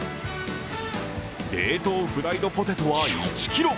冷凍フライドポテトは１ｋｇ。